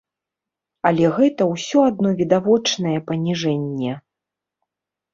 Але гэта ўсё адно відавочнае паніжэнне.